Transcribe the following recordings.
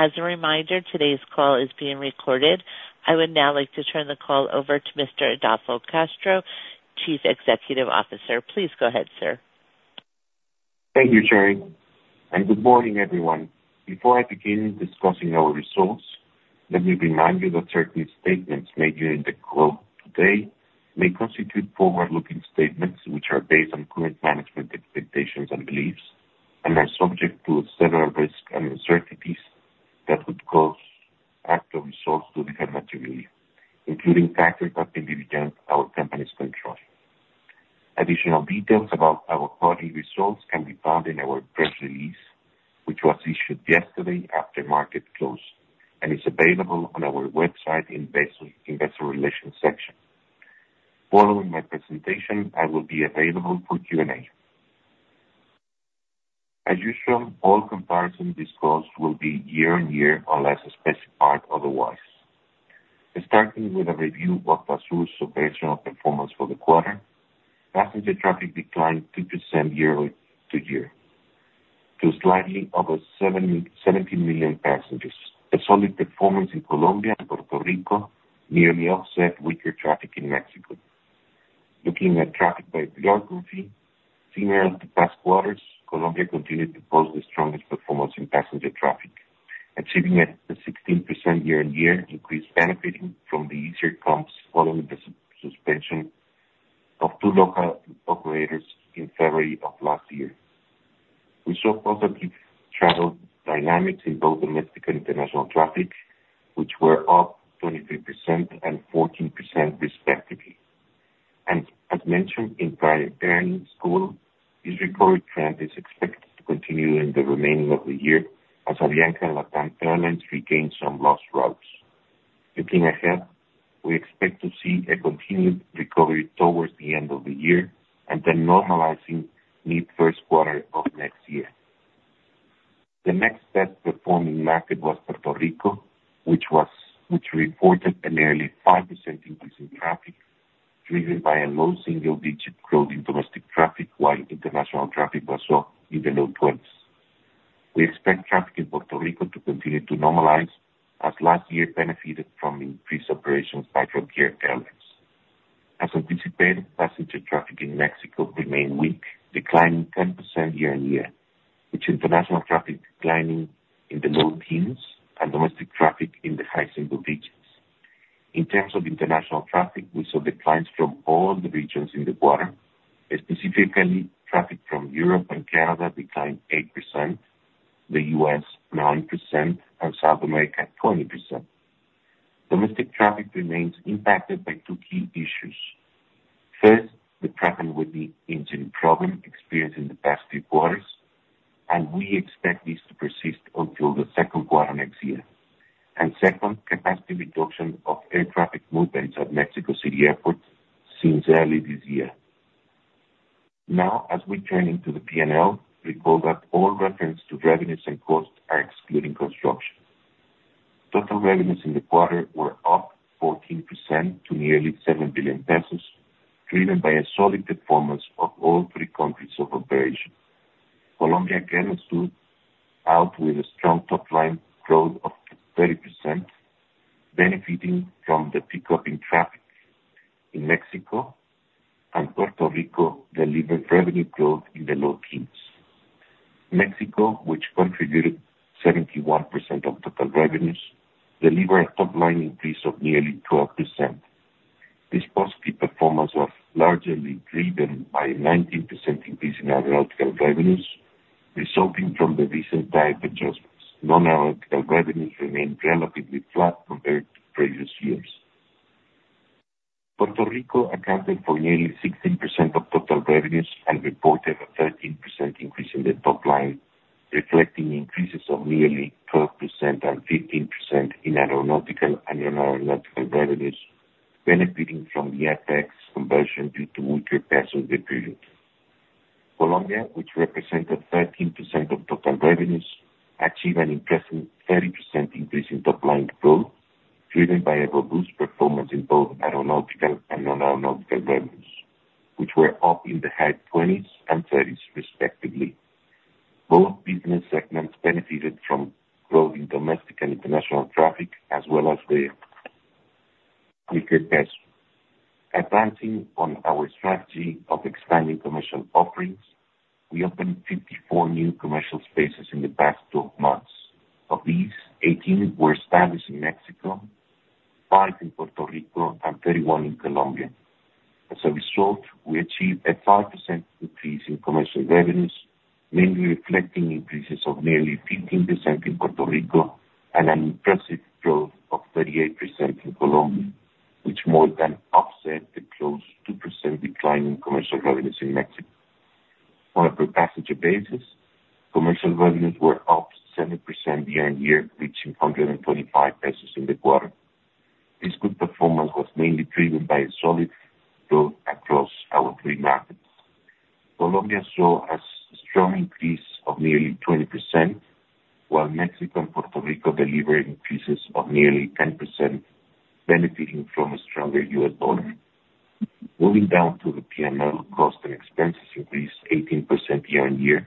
...As a reminder, today's call is being recorded. I would now like to turn the call over to Mr. Adolfo Castro, Chief Executive Officer. Please go ahead, sir. Thank you, Sherry, and good morning, everyone. Before I begin discussing our results, let me remind you that certain statements made during the call today may constitute forward-looking statements, which are based on current management expectations and beliefs and are subject to several risks and uncertainties that could cause actual results to differ materially, including factors that beyond our company's control. Additional details about our quarterly results can be found in our press release, which was issued yesterday after market close, and is available on our website, investor relations section. Following my presentation, I will be available for Q&A. As usual, all comparison disclosed will be year-on-year, unless specified otherwise. Starting with a review of ASUR's operational performance for the quarter, passenger traffic declined 2% year to year to slightly over seventy-seven million passengers. A solid performance in Colombia and Puerto Rico nearly offset weaker traffic in Mexico. Looking at traffic by geography, similar to past quarters, Colombia continued to post the strongest performance in passenger traffic, achieving a 16% year-on-year increase, benefiting from the easier comps following the suspension of two local operators in February of last year. We saw positive travel dynamics in both domestic and international traffic, which were up 23% and 14%, respectively. As mentioned in prior earnings call, this recovery trend is expected to continue in the remaining of the year, as Avianca and LATAM Airlines regain some lost routes. Looking ahead, we expect to see a continued recovery towards the end of the year and then normalizing mid first quarter of next year. The next best performing market was Puerto Rico, which reported a nearly 5% increase in traffic, driven by a low single-digit growth in domestic traffic, while international traffic was up in the low twenties. We expect traffic in Puerto Rico to continue to normalize, as last year benefited from increased operations by Frontier Airlines. As anticipated, passenger traffic in Mexico remained weak, declining 10% year-on-year, with international traffic declining in the low teens and domestic traffic in the high single digits. In terms of international traffic, we saw declines from all the regions in the quarter. Specifically, traffic from Europe and Canada declined 8%, the U.S. 9%, and South America, 20%. Domestic traffic remains impacted by two key issues. First, the Pratt & Whitney engine problem experienced in the past three quarters, and we expect this to persist until the second quarter next year. Second, capacity reduction of air traffic movements at Mexico City Airport since early this year. Now, as we turn into the P&L, recall that all reference to revenues and costs are excluding construction. Total revenues in the quarter were up 14% to nearly 7 billion pesos, driven by a solid performance of all three countries of operation. Colombia again stood out with a strong top line growth of 30%, benefiting from the pickup in traffic. In Mexico and Puerto Rico, delivered revenue growth in the low teens. Mexico, which contributed 71% of total revenues, delivered a top line increase of nearly 12%. This positive performance was largely driven by a 19% increase in aeronautical revenues, resulting from the recent tariff adjustments. Non-aeronautical revenues remained relatively flat compared to previous years. Puerto Rico accounted for nearly 16% of total revenues and reported a 13% increase in the top line, reflecting increases of nearly 12% and 15% in aeronautical and non-aeronautical revenues, benefiting from the FX conversion due to weaker peso in the period. Colombia, which represented 13% of total revenues, achieved an impressive 30% increase in top line growth, driven by a robust performance in both aeronautical and non-aeronautical revenues, which were up in the high twenties and thirties, respectively. Both business segments benefited from growth in domestic and international traffic, as well as the weaker peso. Advancing on our strategy of expanding commercial offerings, we opened 54 new commercial spaces in the past 12 months. Of these, eighteen were established in Mexico, five in Puerto Rico and thirty-one in Colombia. As a result, we achieved a 5% increase in commercial revenues, mainly reflecting increases of nearly 15% in Puerto Rico and an impressive growth of 38% in Colombia, which more than offset the close 2% decline in commercial revenues in Mexico. On a per passenger basis, commercial revenues were up 7% year-on-year, reaching 125 pesos in the quarter. This good performance was mainly driven by a solid growth across our three markets. Colombia saw a strong increase of nearly 20%, while Mexico and Puerto Rico delivered increases of nearly 10%, benefiting from a stronger U.S. dollar. Moving down to the P&L, costs and expenses increased 18% year-on-year.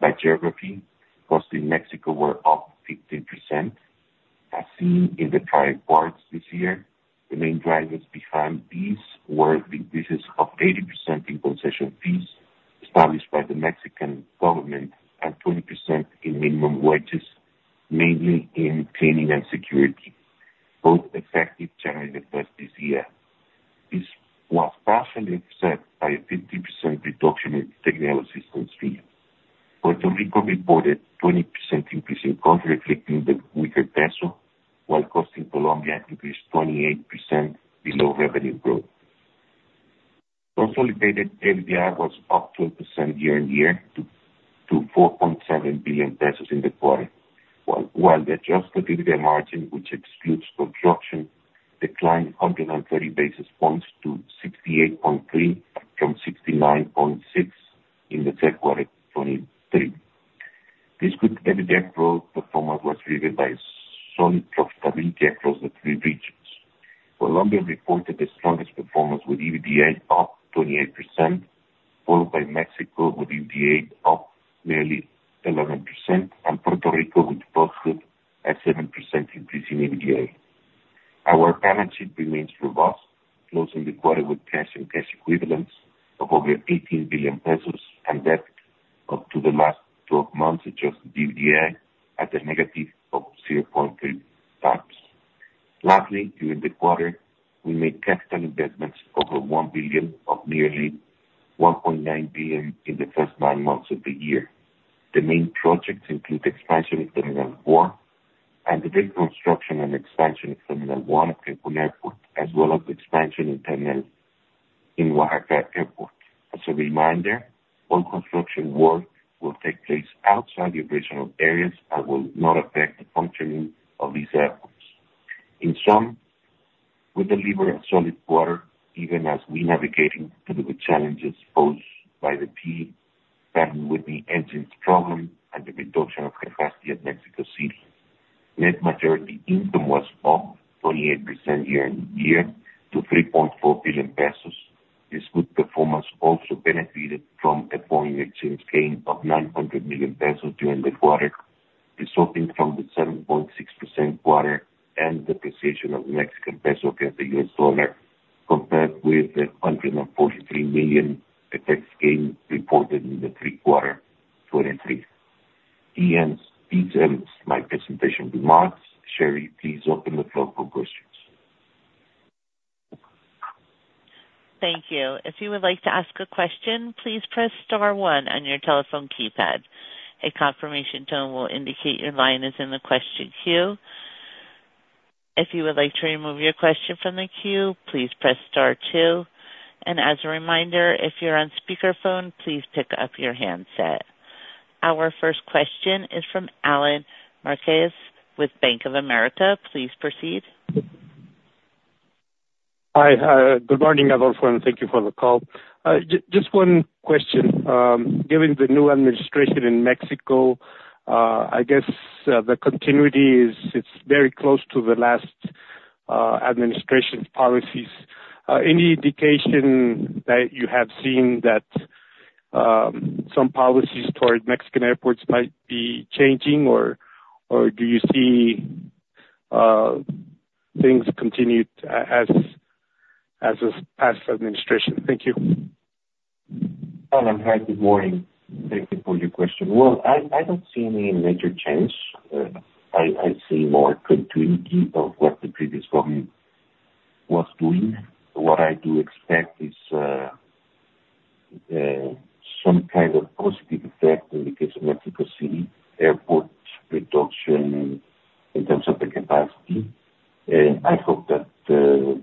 By geography, costs in Mexico were up 15%, as seen in the current quarter this year. The main drivers behind these were the increases of 80% in concession fees established by the Mexican government, and 20% in minimum wages, mainly in cleaning and security, both effective January the first this year. This was partially offset by a 50% reduction in technical assistance fee. Puerto Rico reported 20% increase in costs, reflecting the weaker peso, while costs in Colombia increased 28% below revenue growth. Consolidated EBITDA was up 12% year on year to 4.7 billion pesos in the quarter. While the adjusted EBITDA margin, which excludes construction, declined 130 basis points to 68.3% from 69.6% in the third quarter 2023. This good EBITDA growth performance was driven by solid profitability across the three regions. Colombia reported the strongest performance, with EBITDA up 28%, followed by Mexico, with EBITDA up nearly 11%, and Puerto Rico, which posted a 7% increase in EBITDA. Our balance sheet remains robust, closing the quarter with cash and cash equivalents of over MXN 18 billion, and debt up to the last twelve months, adjusted EBITDA at a negative of zero point three times. Lastly, during the quarter, we made capital investments over MXN 1 billion, of nearly MXN 1.9 billion in the first nine months of the year. The main projects include expansion of Terminal 4 and the reconstruction and expansion of Terminal 1 at Cancun Airport, as well as the expansion of terminal in Oaxaca Airport. As a reminder, all construction work will take place outside the original areas and will not affect the functioning of these airports. In sum, we delivered a solid quarter, even as we navigating through the challenges posed by the P, starting with the engines problem and the reduction of capacity at Mexico City. Net income was up 28% year on year to 3.4 billion pesos. This good performance also benefited from a foreign exchange gain of 900 million pesos during the quarter, resulting from the 7.6% quarter-end depreciation of the Mexican peso against the US dollar, compared with the 143 million FX gain reported in the third quarter 2023. This ends my presentation remarks. Sherry, please open the floor for questions. Thank you. If you would like to ask a question, please press star one on your telephone keypad. A confirmation tone will indicate your line is in the question queue. If you would like to remove your question from the queue, please press star two. And as a reminder, if you're on speakerphone, please pick up your handset. Our first question is from Alex Marques with Bank of America. Please proceed. Hi, good morning, Adolfo, and thank you for the call. Just one question. Given the new administration in Mexico, I guess, the continuity is, it's very close to the last administration's policies. Any indication that you have seen that, some policies toward Mexican airports might be changing or, or do you see, things continued as, as the past administration? Thank you. Alex, hi, good morning. Thank you for your question. I don't see any major change. I see more continuity of what the previous government was doing. What I do expect is some kind of positive effect in the case of Mexico City Airport reduction in terms of the capacity. I hope that the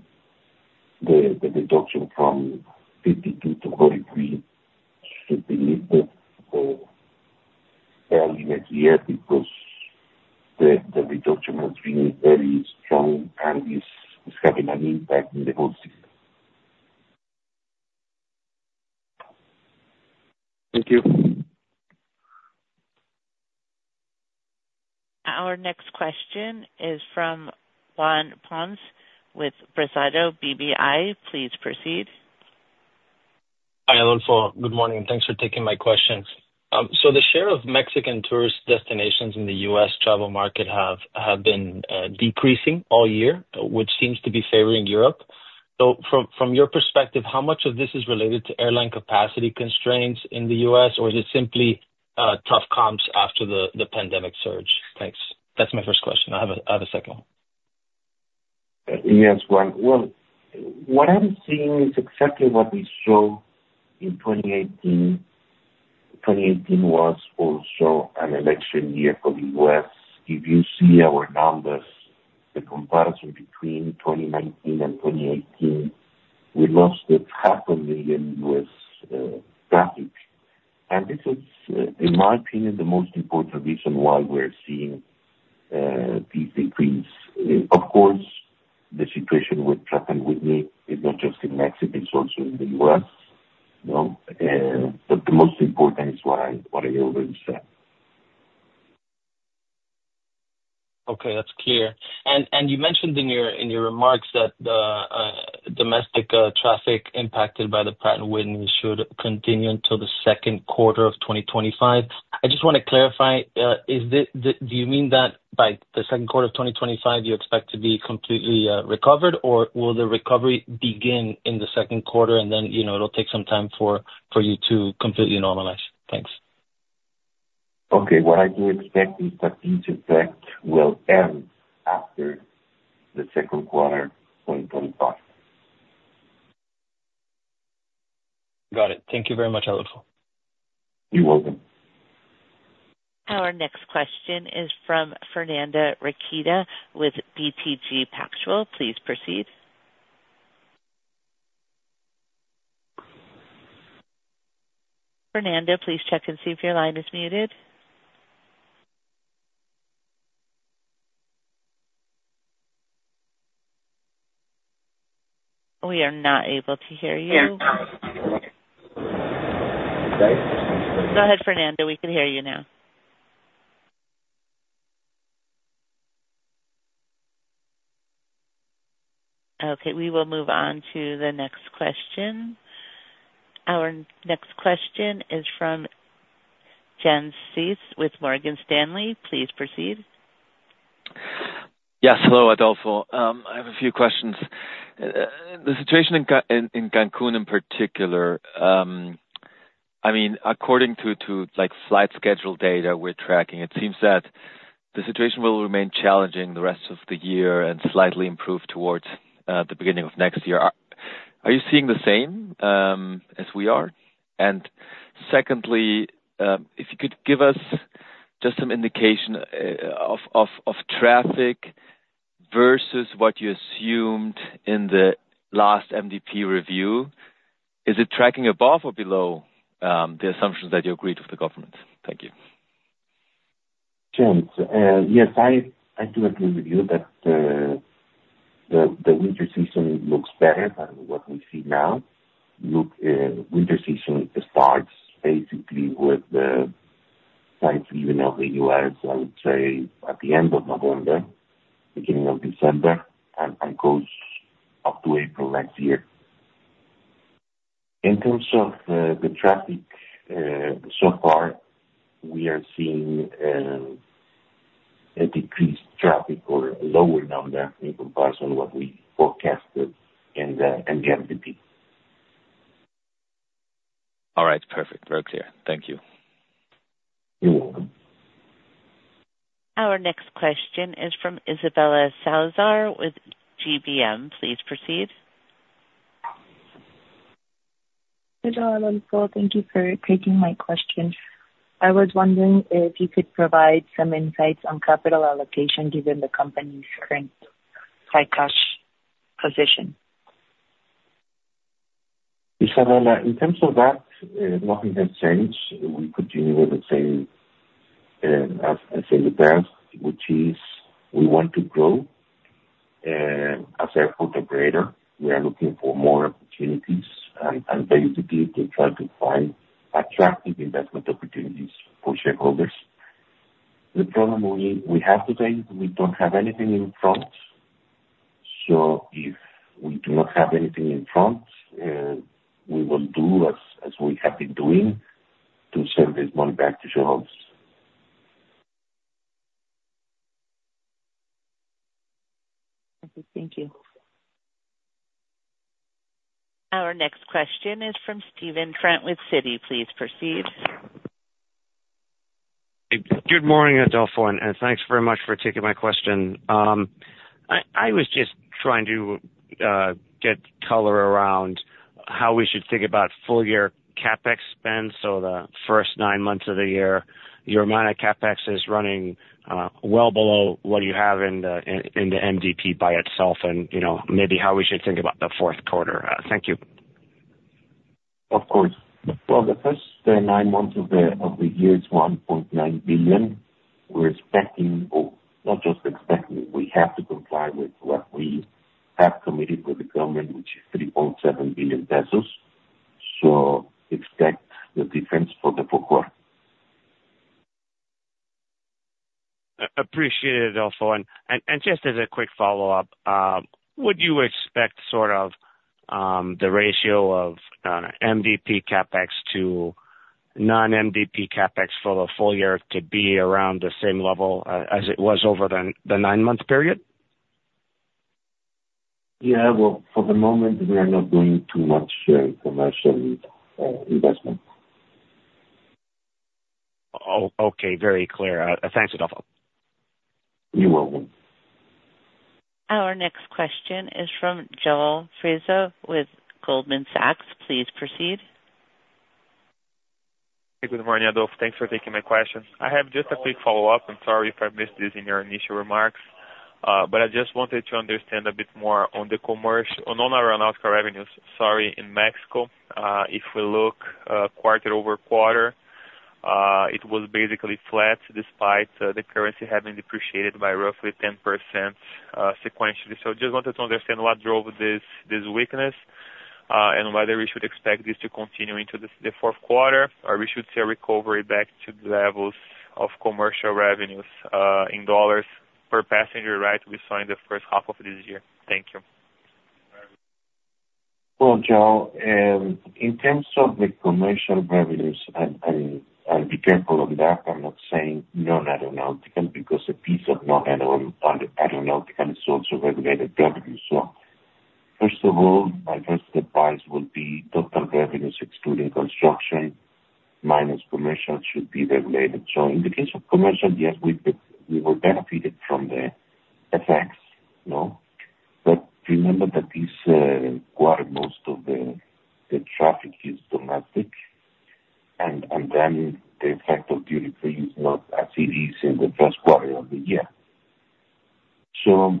reduction from 52 to 43 should be made early next year, because the reduction has been very strong and is having an impact in the whole city. Thank you. Our next question is from Juan Ponce with Bradesco BBI. Please proceed. Hi, Adolfo. Good morning, and thanks for taking my questions. So the share of Mexican tourist destinations in the U.S. travel market have been decreasing all year, which seems to be favoring Europe. So from your perspective, how much of this is related to airline capacity constraints in the U.S., or is it simply tough comps after the pandemic surge? Thanks. That's my first question. I have a second one. Yes, Juan. Well, what I'm seeing is exactly what we saw in twenty eighteen. Twenty eighteen was also an election year for the U.S. If you see our numbers, the comparison between twenty nineteen and twenty eighteen, we lost 500,000 U.S. traffic. And this is, in my opinion, the most important reason why we're seeing this decrease. Of course, the situation with travel to Mexico is not just in Mexico, it's also in the U.S., you know, but the most important is what I already said. Okay, that's clear. And you mentioned in your remarks that the domestic traffic impacted by the Pratt & Whitney should continue until the second quarter of twenty twenty-five. I just wanna clarify, is the- do you mean that by the second quarter of twenty twenty-five, you expect to be completely recovered, or will the recovery begin in the second quarter, and then, you know, it'll take some time for you to completely normalize? Thanks. Okay. What I do expect is that this effect will end after the second quarter, twenty twenty-five. Got it. Thank you very much, Adolfo. You're welcome. Our next question is from Fernanda Recchia, with BTG Pactual. Please proceed. Fernanda, please check and see if your line is muted. We are not able to hear you. Okay. Go ahead, Fernanda. We can hear you now. Okay, we will move on to the next question. Our next question is from Jens Spiess with Morgan Stanley. Please proceed. Yes. Hello, Adolfo. I have a few questions. The situation in Cancun in particular, I mean, according to, like, flight schedule data we're tracking, it seems that the situation will remain challenging the rest of the year and slightly improve towards the beginning of next year. Are you seeing the same as we are? And secondly, if you could give us just some indication of traffic versus what you assumed in the last MDP review, is it tracking above or below the assumptions that you agreed with the government? Thank you. Sure. Yes, I do agree with you that the winter season looks better than what we see now. Look, winter season starts basically with the flights leaving of the U.S., I would say, at the end of November, beginning of December, and goes up to April next year. In terms of the traffic so far, we are seeing a decreased traffic or lower number in comparison to what we forecasted in the MDP. All right. Perfect. Very clear. Thank you. You're welcome. Our next question is from Isabela Salazar with GBM. Please proceed. Hello, Adolfo. Thank you for taking my question. I was wondering if you could provide some insights on capital allocation given the company's current high cash position? Isabella, in terms of that, nothing has changed. We continue with the same, as in the past, which is we want to grow, as an operator. We are looking for more opportunities and basically to try to find attractive investment opportunities for shareholders. The problem we have today is we don't have anything in front, so if we do not have anything in front, we will do as we have been doing, to send this money back to shareholders. Okay, thank you. Our next question is from Stephen Trent with Citi. Please proceed. Good morning, Adolfo, and thanks very much for taking my question. I was just trying to get color around how we should think about full year CapEx spend, so the first nine months of the year, your amount of CapEx is running well below what you have in the MDP by itself, and you know, maybe how we should think about the fourth quarter. Thank you. Of course. The first nine months of the year is 1.9 billion. We're expecting, or not just expecting, we have to comply with what we have committed with the government, which is 3.7 billion pesos, so expect the difference for the fourth quarter. Appreciate it, Adolfo. And just as a quick follow-up, would you expect sort of the ratio of MDP CapEx to non-MDP CapEx for the full year to be around the same level as it was over the nine-month period? Yeah. Well, for the moment, we are not doing too much, commercial, investment. Okay, very clear. Thanks, Adolfo. You're welcome. Our next question is from João Frizo with Goldman Sachs. Please proceed. Hey, good morning, Adolfo. Thanks for taking my question. I have just a quick follow-up, and sorry if I missed this in your initial remarks. But I just wanted to understand a bit more on the commercial on non-air revenues, sorry, in Mexico. If we look quarter over quarter, it was basically flat, despite the currency having depreciated by roughly 10% sequentially. So just wanted to understand what drove this weakness and whether we should expect this to continue into the fourth quarter, or we should see a recovery back to the levels of commercial revenues in dollars per passenger, right, we saw in the first half of this year? Thank you. João, in terms of the commercial revenues, and I'll be careful on that. I'm not saying non-aeronautical, because a piece of non-aeronautical is also regulated revenue. So first of all, my first advice would be total revenues excluding construction, minus commercial, should be regulated. So in the case of commercial, yes, we were benefited from the effects, you know? But remember that this quarter, most of the traffic is domestic, and then the effect of duty-free is not as it is in the first quarter of the year. So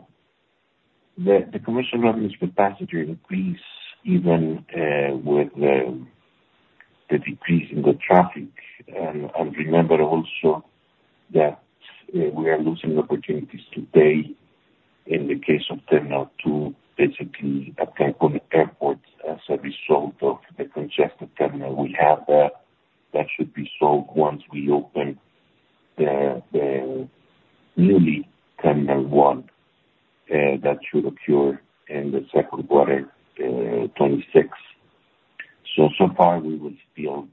the commercial revenues per passenger increase even with the decrease in the traffic. And remember also that we are losing opportunities today in the case of Terminal 2, basically at Cancun Airport, as a result of the congested terminal we have there. That should be solved once we open the newly Terminal 1, that should occur in the second quarter, 2026. So far we will still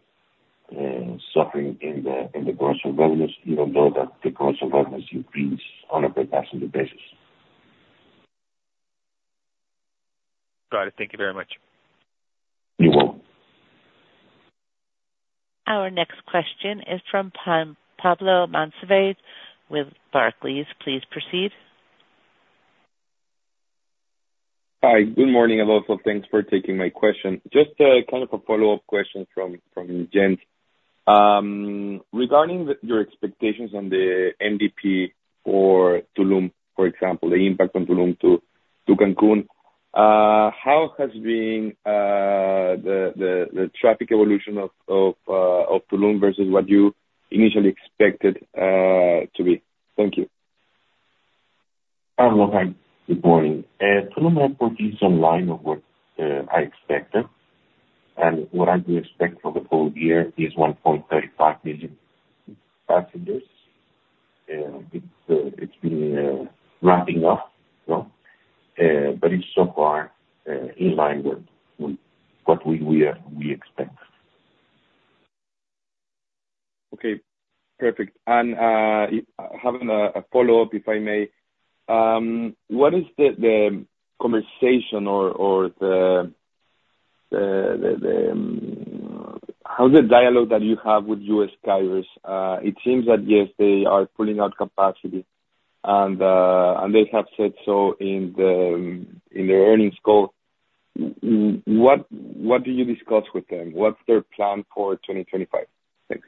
suffering in the commercial revenues, even though that the commercial revenues increased on a per-passenger basis. Got it. Thank you very much. You're welcome. Our next question is from Pablo Monsivais with Barclays. Please proceed. Hi. Good morning, Adolfo. Thanks for taking my question. Just kind of a follow-up question from Jens. Regarding your expectations on the MDP for Tulum, for example, the impact on Tulum to Cancun, how has been the traffic evolution of Tulum versus what you initially expected to be? Thank you. Pablo, hi, good morning. Tulum Airport is in line with what I expected, and what I do expect for the whole year is 1.35 million passengers. It's been ramping up, you know, but it's so far in line with what we expect. Okay, perfect. And having a follow-up, if I may. What is the conversation or how the dialogue that you have with U.S. carriers? It seems that, yes, they are pulling out capacity and they have said so in the earnings call. What do you discuss with them? What's their plan for twenty twenty-five? Thanks.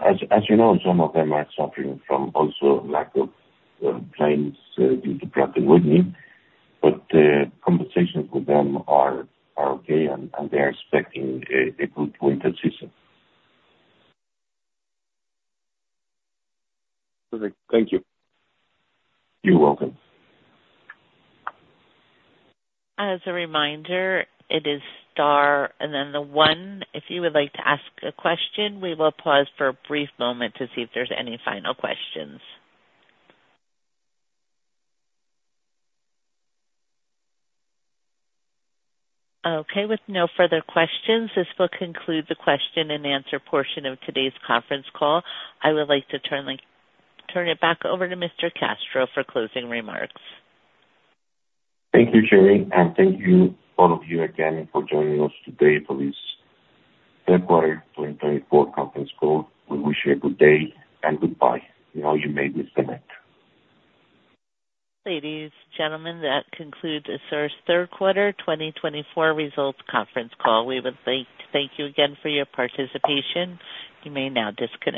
As you know, some of them are suffering from also lack of planes due to grounding, but conversations with them are okay, and they are expecting a good winter season. Perfect. Thank you. You're welcome. As a reminder, it is star and then the one, if you would like to ask a question. We will pause for a brief moment to see if there's any final questions. Okay, with no further questions, this will conclude the question and answer portion of today's conference call. I would like to turn it back over to Mr. Castro for closing remarks. Thank you, Sherry, and thank you, all of you again for joining us today for this third quarter 2024 conference call. We wish you a good day, and goodbye. Now you may disconnect. Ladies, gentlemen, that concludes ASUR's third quarter twenty twenty-four results conference call. We would like to thank you again for your participation. You may now disconnect.